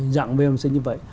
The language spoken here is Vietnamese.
dạng vmc như vậy